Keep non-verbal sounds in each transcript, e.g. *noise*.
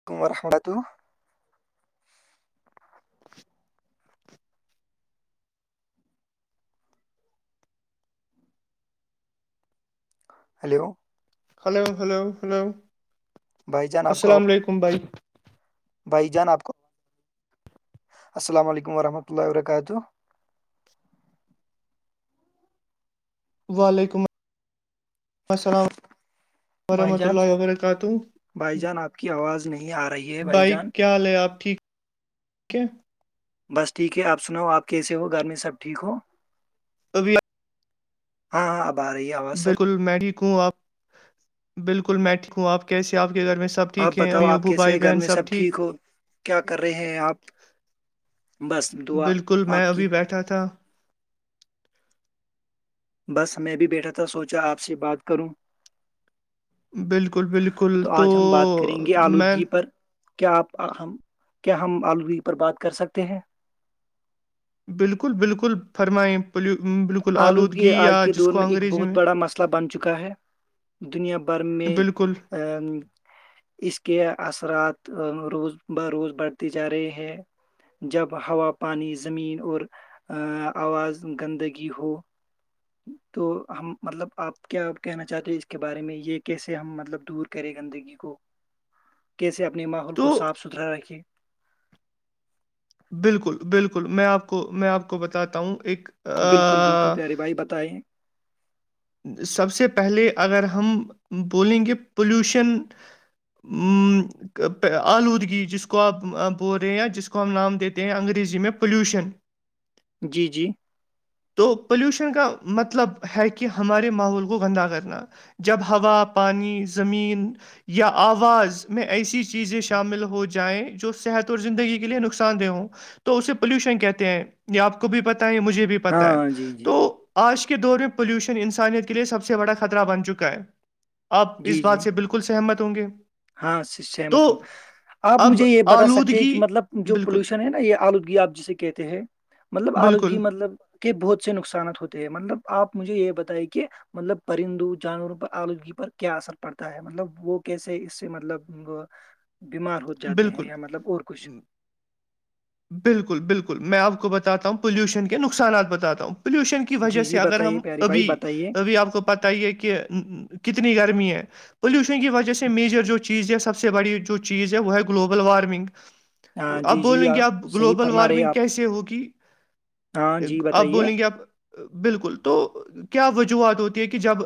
*unintelligible* *inaudible* Hello hello hello hello بھائی جان آپ کو السلام آواز- علیکم بھائی بھائی جان آپ کو السلام علیکم ورحمۃ اللہ وبرکاتہ وعلیکم السلام بھائی ورحمۃ جان اللہ وبرکاتہ بھائی جان آپ کی آواز نہیں آ رہی ہے بھائی جان کیا حال ہے آپ ٹھیک ہے بس ٹھیک ہے آپ سناؤ آپ کیسے ہو گھر میں سب ٹھیک ہو ابھی ہاں ہاں آ رہی ہے آواز سر بالکل میں ٹھیک ہوں آپ بالکل میں ٹھیک ہوں آپ کیسے آپ کے گھر میں سب آپ ٹھیک ہیں بتاؤ امی آپ ابو کیسے بھائی گھر بہن میں سب ٹھیک ہو کیا کر رہے ہیں آپ بس دعا بالکل میں آپ کی ابھی بیٹھا تھا بس میں بھی بیٹھا تھا سوچا آپ سے بات کروں بالکل بالکل تو آج ہم بات کریں گے میں آلودگی پر کیا آپ کیا ہم آلودگی پر بات کر سکتے ہیں بالکل بالکل فرمائیں بالکل آلودگی یا آج کے جس دور کو میں ایک انگریزی بہت بڑا مسئلہ بن چکا ہے دنیا بھر میں بالکل ا اس کے اثرات روز ب روز بڑھتی جا رہی ہے جب ہوا پانی زمین اور آواز گندگی ہو تو ہم مطلب آپ کیا کہنا چاہتے اس کے بارے میں یہ کیسے ہم مطلب دور کریں گندگی کو *inaudible* کیسے اپنے ماحول تو کو صاف ستھرا رکھے بالکل بالکل میں آپ کو میں آپ کو بتاتا ہوں ایک بالکل بالکل آ، پیارے بھائی بتائیں سب سے پہلے اگر ہم بولیں گے پلیوشن ہوں آلودگی جس کو آپ بول رہے ہیںیا جس کو ہم نام دیتے ہیں انگریزی میں پولیوشن جی جی تو پلیوشن کا مطلب ہے کہ ہمارے ماحول کو گندہ کرنا جب ہوا پانی زمین یا آواز میں ایسی چی چیزیں شامل ہو جائیں جو صحت اور زندگی کے لیے نقصان دہ ہوں تو اسے پولوشن کہتے ہیں یہ آپ کو بھی پتا ہے مجھے بھی پتہ ہے ہاں جی جی تو آج کے دور میں پولوشن انسانیت کے لیے سب سے بڑا خطرہ بن چکا ہے آپ جی اس جی بات سے بالکل سہمت ہوں گے ہاں تو سہمت ہ آپ اب مجھے یہ بتا سکتے ہیں آلودگی کہ مطلب جو بالکل پولوشن ہے نا یہ آلودگی آپ جسے کہتے ہیں مطلب آلودگی بالکل مطلب کے بہت سے نقصانات ہوتے ہیں مطلب آپ مجھے یہ بتائیں کہ مطلب پرندو جانوروں پر آلودگی پر کیا اثر پڑتا ہے مطلب وہ کیسے اس مطلب بیمار ہو جاتے ہیں بالکل یا مطلب اور کچھ بالکل بالکل میں آپ کو بتات ہوں پولوشن کے نقصانات بتات ہوں پولوشن کے وجہ جی سے جی اگر ہم بتائیے پیارے بھائی ابھی بتائیے ابھی آپ کو پت یہ کہ کتنی گرمی ہے پولوشن کی وجہ سے میجر جو چیز ہے سب سے سے بڑی جو چیز ہے وہ ہے گلوبل وارمنگ ہاں اب جی جی بولیں گے آپ اب صحیح گلوبل فرما رہے وارمنگ آپ کیسے ہوگی ہاں جی آپ بتائیے بولیں گے آپ بالکل تو کیا وجوہات ہوتی ہے کہ جب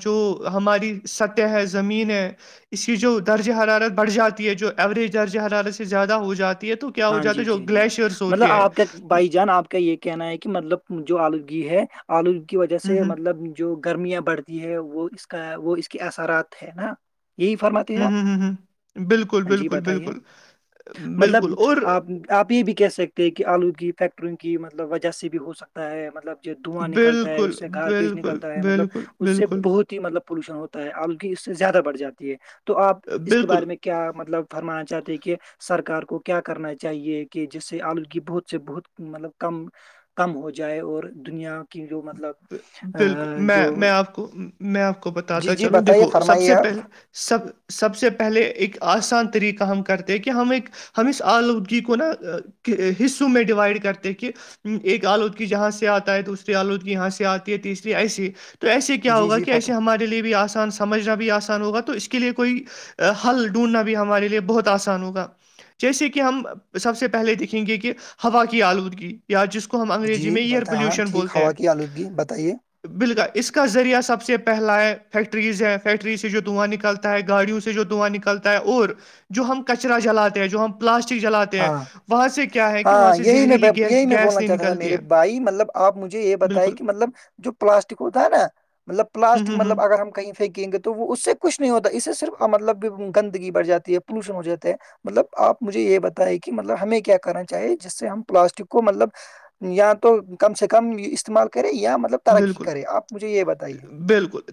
جو ہماری سطح ہے زمین ہے اس کی جو درج حرارت بڑھ جاتی ہے جو ایوریج درج حرارت سے زیادہ ہو جاتی ہے تو کیا ہو ہاں جاتی جی جی جی مطلب آپ کے بھائی جی جان آپ کا یہ کہنا ہے کہ مطلب جو آلودگی ہے آلودگی کی وجہ ہوں، سے ہوں، مطلب جو گرمیاں بڑھتی ہے وہ اس کا وہ اس کے اثرات ہے نا یہی فرماتے ہیں ہوں، ہوں، آپ ہوں، ہوں۔ بالکل جی بالکل بتائیے بالکل مطلب بالکل اور آپ آپ یہ بھی کہہ سکتے ہیں کہ آلو کی فیکٹریوں کی مطلب وجہ سے بھی ہو سکتا ہے مطلب جو دھواں نکلتا ہے بالکل اس سے گار بییج بالکل نکلتا ہے مطلب بالکل اس سے بالکل بہت مطلب پولوشن ہوتا ہے آلودگی اس سے زیادہ بڑھ جاتی ہے تو آپ اس کے بالکل بارے میں کیا کیا مطلب فرمانا چاہتے کہ سرار کو کیا کرنا چاہیے کہ جس سے آلودگی بہت سے بہت مطلب کم کم ہو جائے اور دنیا کی جو مطلب بالکل ا، میں جو میں آپ کو میں آپ کو جی بتاتا جی چلوں بتائیے دیکھو سب فرمائیے سے آپ پہلے سب سب سے پہلے ایک آسان طریقہ ہم کرتے ہیں کہ ہم ایک ہم اس آلودگی کو نا حصوں میں ڈیوائڈ کرتے کہ ایک آلودگ کی جہاں سے آتا ہے تو دوسری آلودگی یہاں سے آتی ہے تیسری ایسی ہی تو ایسے کیا جی ہوگا جی کہ فاتو ایسے ہمارے لیے بھی آسان سان سمجھنا بھی آسان ہوگا تو اس کے لیے کوئی حل ڈھونڈنا بھی ہمارے لیے بہت آسان ہوگا جیسے کہ ہم سب سے پہلے دیکھیں گے کہ ہوا کی آلودگی یا جس کو ہم انگریزی جی میں ایئر بت ہاں پلیوشن ٹھیک بولتے ہیں ہوا کی آلودگی بتا بتائیے بالکل اس کا ذریعہ سب سے پہلا ہے فیکٹریز ہے فیکٹری سے جو دواں نکلتا ہے گاڑیوں سے جو دھواں نکلتا ہے اور جو ہم کچرا جلاتے ہیں جو ہم پلاسٹک جلاتے ہیں ہاں وہاں سے کیا ہے کہ وہاں ہاں سے یہی میں زہریلی گی ب- یہی میں گیس بولنا نہیں چاہتا تھا نکلتی میرے ہے بھائی مطلب آپ مجھے یہ بتائی بالکل کہ مطلب جو پلاسٹک ہوتا ہے نا مطلب ہوں پلاسٹک ہوں ہوں مطلب اگر ہم کہیں پھینکیں گے تو وہ اس سے کچھ نہیں ہوتا اس سے صرف مطلب گندگی بھ جاتی ہے پولوشن ہو جاتا ہے مطلب آپ مجھے یہ بتائیں کہ مطلب ہمیں کیا کرنا چاہیے جس سے ہم پلاسٹک کو مطلب یا تو کم سے کم استعمال کرے یا مطلب ترقی کرے آپ مجھے یہ بتائیے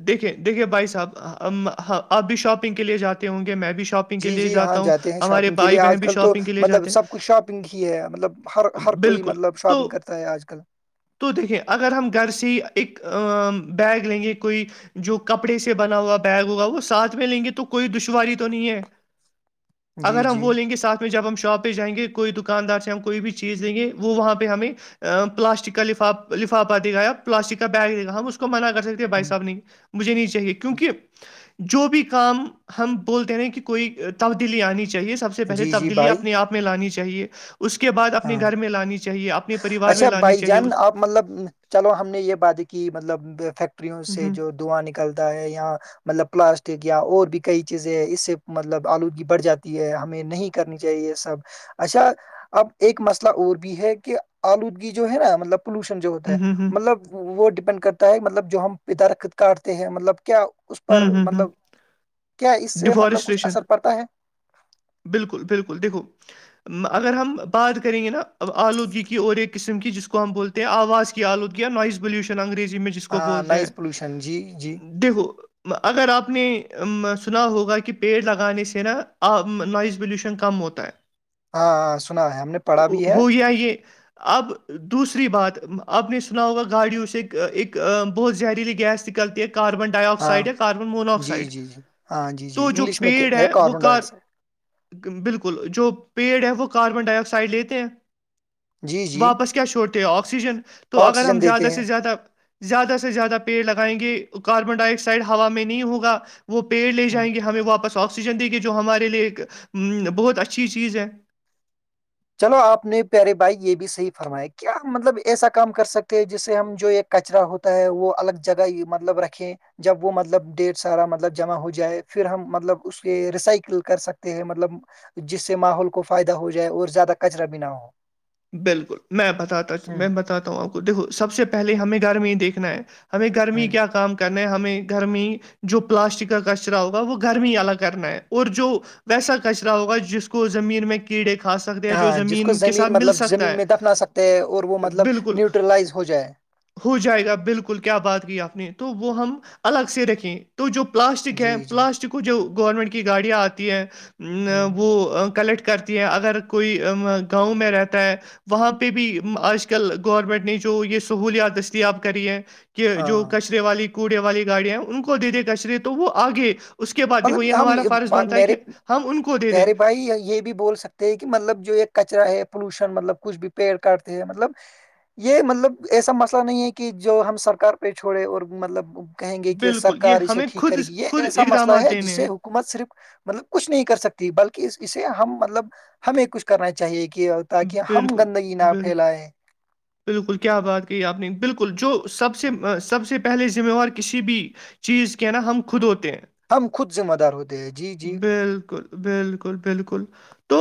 دیکھے دیکھیے بھائی صاحب آپ بھی شاپنگ کے لیے جاتے ہوں گے میں بھی شاپگ جی جی ہاں جاتے ہیں شاپنگ کے لیے آج کل تو شاپنگ کے لیے مطلب جاتے سب کچھ شاپنگ ہی ہے مطلب ہر ہیں ہر کوئی بالکل مطلب تو شاپنگ کرتا ہے آج کل تو دیکھیں اگر ہم گھر سے ہی ایک بیگ لیں گے کوئی جو کپڑے سے بنا ہوا بیگ ہوگا وہ ساتھ میں لیں گے تو کوئی دشواری تو نہیں ہے جی اگر ہم جی وہولیں گے ساتھ جب ہم شاپ پہائیں گے کوئی دکاندار سے ہم کوئی بھی چیز دیں گے وہاں پہ ہمیں پلاسٹک کا لفاف لفاف آ دے گا آپ پلاسٹک کا بیگ دے گا ہم اس کو منع کر سکتے ہیں بھائی صحب ہ نہیں مجھے نہیں چاہیے کیونک جو بھی کام ہم بولتے رہ کہ کوئی تبدیلی آنی چاہیے سب سے پہلے جی جی تبدیلی بھائی اپنے آپ میں لانی چاہیے اور اس کے بعد اپنے ہاں گھر میں لانی چاہیے اپنے پریوار میں لانی چاہیے اس آ مطلب چلو ہم نے یہ باتیں کہ مطلب فیکٹریوں ہ سے جو دواں نکلتا ہے یا مطلب پلاسٹک یا اور بھی کئی چیزیں ہیں اس سے مطلب آلودگی بڑھ جاتی ہے ہمیں نہیں کرنی چاہیے سب اچھا اب ایک مسئلہ اور بھی ہے کہ آلودگی جو ہے نا مطلب پولوشن جو ہوتا ہے ہ ہ ہ مطلب وہ ڈیپینڈ کرتا ہے مطلب جو ہم پ درخت کاٹتے ہیں مطلب کیا اس پر ہوں ہوں ہوں مطلب کیا اس سے مطلب کچھ ڈیفارسٹریشن اثر پڑتا ہے بالکل بالکل دیکھو اگر ہم بات کریں گے نا آلودگی کی اور ایک قسم کی جس کو ہم بولتے تو آواز کی آلودگیا نائز پلیوشن انگریزی میں جس کو ہاں بولتے نائز پولوشن جی جی ہیں دییہو اگر آپ نے سنا ہوگا کہ پیڑ لگانے سے نا نوائز پلیوشن کم ہوتا ہے *inaudible* ہاں ہاں سنا ہے ہم نے پڑھا ہو بھی ہے ہو یہ اب دوسری بات اب نے سنا ہوگا گاڑیوں سے ایک بہت زہریلی گیس لتی ہے کاربن ڈائی ہاں آکسائڈک کاربن جی موناکسائڈ جی جی ہاں جی جی تو جو انگلش میں پیڑ کہتے ہے ہیں وہ کاربن ک ڈائی آکسائڈ بالکل جو پیڑ ہے وہ کاربن ڈائی آکسائڈ لیتے ہیں جی جی واپس کیا چھوڑتے ہو آکسیجن تو اگر ہم آکسیجن دیتے زیادہ سے ہیں زیادہ زیادہ سے زیادہ پیڑ لگائیں گے کاربن ڈائی آکسائڈ ہوا میں نہیں ہوگا وہ پیڑ لے ہوں۔ جائیں گے ہمیں واپس آکسیجن دے گے جو ہمارے لیے ایک بہت اچھی چیز ہے چلو آپ نے پیارے بھائی یہ بھی صحیح فرمایا کیا مطلب ایسا کام کر سکتے ہیں جسے ہم جو ایک کچرا ہوتا ہے وہ الگ جگہ مطلب رکھیں جب وہ مطلب ڈیڑھ سارا مطلب جمع ہو جائے پھر ہم مطلب اس کے ریسائکل کر سکتے ہیں مطلب جس سے ماحول کو فائدہ ہو جائے اور زیادہ کچرا بھی نہ ہو بالکل میں بتاتا میں بتاتا ہوں آپ کو دیکھو سب سے پہلے ہمیں گھر میں ہی دیکھنا ہے ہمیں ہ گرمی کیا کام کرنا ہمیں گرمی جو پلاسٹک کا کچرا ہوگا وہ گرمی ہی الگ کرنا ہے اور جو ویسا کچرا ہوگا جس کو زمین میں کیڑے کھا سکتے ہیں جو ہاں جس کو زمین کے ساتھ مل سکتے مطلب زمین میں دفنا سکتے ہے اور وہ مطلب بالکل نیوٹرلائز ہو جائے ہو جائے گا بالکل کیا بات کی آپ نے تو وہ ہم الگ سے رکھیں تو جو پلاسٹک ہے جی جی پلاسٹک کو جو گورنمنٹ کی گاڑیاں آتی ہیں ہ وہ کلیکٹ کرتی ہے اگر کوئی گاؤں میں رہتا ہے وہاں پہ بھی آج کل گورنمنٹ نے جو یہ سہولیات دستیاب کری ہے کہ کہ جو ہاں کچرے والی کوڑے والی گاڑیاں ہیں ان کو دے دے کچرے تو وہ آگے اس کے بعد دیکھو مطلب یہ ہم ہمارا فارض با- بنتا ہے میرے کہ ہم ان کو دے دیں پیارے یہ بول سکتے ہیں کہ مطلب جو یہ کچرا ہے پولیوشن مطلب کچھ بھی پیڑ کاٹتے ہیں مطلب یہ مطلب ایسا مسئلہ نہیں ہے کہ جو ہم سرکار پہ چھوڑے اور مطلب کہیں گے کہ بالکل یہ سرکار اسے ہمیں ٹھیک خود کرے گی یہ خود ایسا مسئلہ اقدامات ہے جس لینے سے ہیں حکومت صرف مطلب کچھ نہیں کر سکتی بلکہ اسے ہم مطلب ہمیں کچھ کرنا چاہیے کہ تاکہ ہم گندگی نہ پھیلائے بلکل کیا بات کہی آپ نے بلکل جو سب سے ہوں۔ سب سے پہلے ذمےوار کسی بھی چیز کے نہ ہم خود ہوتے ہیں ہم خود ذمہ دار ہوتے ہیں جی جی بلکل بلکل تو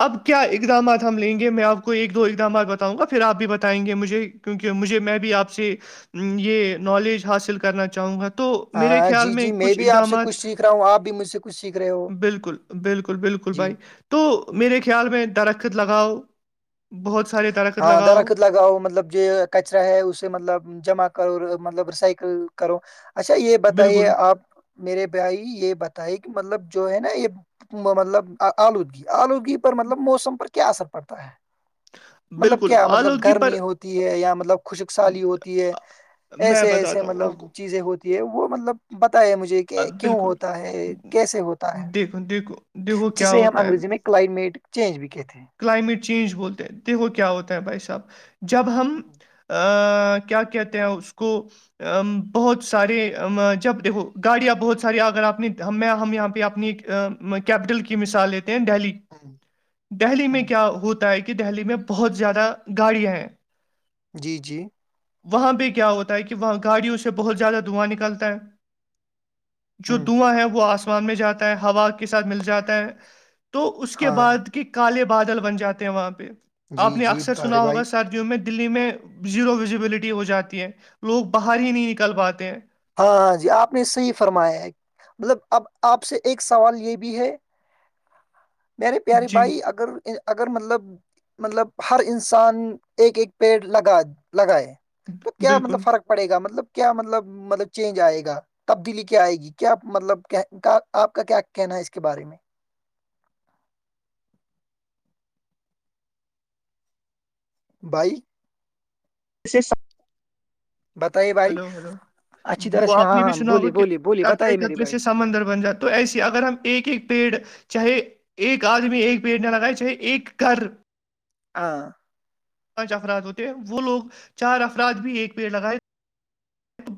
اب کیا اقدامات ہم لیں گے میں آپ کو ایک دو اقدامات بتاؤں گا پھر آپ بھی بتائیں گے مجھے کیونکہ مجھے میں بھی آپ سے یہ نولج حاصل کرنا چاہوں گا تو میرے ہاں خیال جی میں جی کچھ بھی آپ سے اقدامات کچھ سیکھ رہا ہوں آپ بھی مجھ سے کچھ سیکھ رہے ہو بلکل بلکل بلکل جی بھائی تو میرے خیال میں درخت لگاؤ بہت سارے ہاں درخت لگاؤ مطلب جو کچرا ہے اسے مطلب جمع کرو مطلب ریسائکل کرو اچھا یہ بتائیے بالکل آپ میرے بھائی یہ بتائے کہ مطلب جو ہے نہ یہ مطلب آلودگی آلود پر مطلب موسم پر کیا اثر پڑتا ہے مطلب بالکل کیا مطلب آلودگی پر گرمی ہوتی ہے یا مطلب خشک سالی ہوتی ہے میں ایسے ایسے بتاتا ہوں مطلب آپ کو چیزیں ہوتی ہے وہ مطلب پتا ہے مجھے کہ اب کیوں بالکل ہوتا ہے کیسے ہوتا ہے دیکھو دیکھو دیکھو کیا جسے ہو ہم انگریزی میں کلائمیٹ چینج بھی کہتے ہیں کلائمیٹ چینج بولتے ہیں دیکھو کیا ہوتا ہے بھائی صاحب جب ہم کیا کہتے ہیں اس کو بہت سارے جب دیکھو گاڑیاں بہت ساری اگر آپ نے میں ہم یہاں پہ آپ نے کیپیٹل کی مثال لیتے ہیں دہلی *inaudible* دہلی ہ میں کیا ہوتا ہے کہ دہلی میں بہت زیادہ گاڑیاں ہیں جی جی وہاں پہ کیا ہوتا ہے کہ وہاں گاڑیوں سے بہت زیادہ دھواں نکلتا ہے جو ہ دھواں ہیں وہ آسمان میں جاتا ہے ہوا کے ساتھ مل جاتا ہے تو اس کے ہاں بعد کے کالے بادل بن جاتے ہیں وہاں پہ آپ جی نے جی اکثر سنا ارے بھائی ہوگا سر میں دلی میں زیرو وزبلٹی ہو جاتی ہے لوگ باہر ہی نہیں نکل پاتے ہیں ہاں ہاں جی آپ نے صحیح فرمایا ہے مطلب اب آپ سے ایک سوال یہ بھی ہے *inaudible* میرے پیارے جی بھائی اگر اگر مطلب مطلب ہر انسان ایک ایک پیڑ لگا لگائے تو کیا مطلب بالکل فرق پڑے گا مطلب کیا مطلب مطلب چینج آئے گا تبدیلی کیا آئے گی کیا مطلب آپ کا کیا کہنا ہے اس کے بارے میں بھائی اسے سب بتائیے بھائی ہلو ہلو اچھی طرح وہ سے آپ ہاں نے بھی ہاں سنا ہوگا بولیے کہ بولیے بولیے بتائیے میرے قطرےقطرے سے بھائی سمندر بن جاتا تو ایسے ہی اگر ہم ایک ایک پیڑ چاہے ایک آدمی ایک پیڑ نہ لگائےچاہے ایک گھر ہاں پانچ افراد ہوتے ہیں وہ لوگ چار افراد بھی ایک پیڑ لگائے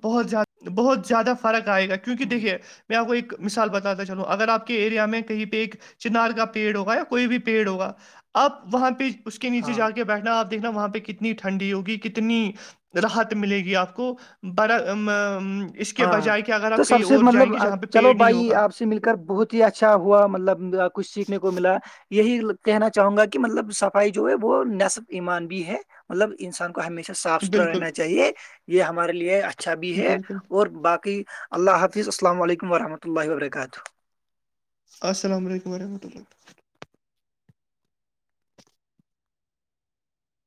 بہت بہت زیادہ فرق آئے گا کیونکہ ہوں، دیکھیے میں آپ کو ایک مثال بتاتا چلو اگر آپ کے ایریا میں کہیں پہ ایک چنار کا پیڑ ہوگا یا کوئی بھی پیڑ ہوگا آپ وہاں پہ اس کے نیچے ہاں جا کے بیٹھنا آپ دیکھنا وہاں پہ کتنی ٹھنڈی ہوگی کتنی راحت ملے گی آپ کو بڑا ہاں تو سب سے مطلب پہ چلو پیڑ نہیں بھائی ہوگا آپ سے مل کر بہت اچھا ہوا مطلب کچھ سیکھنے کو ملا یہی کہنا چاہوں گا کہ مطلب صفائی جو ہے وہ نصف ایمان بھی ہے مطلب انسان کو ہمیشہ صاف ستھرا بالکل رہنا چاہیے یہ ہمارے لیے اچھا بھی ہے بالکل اور باقی اللہ حافظ السلام علیکم رحمۃ اللہ وبرکاتہ السلام علیکم و رحمۃ اللہ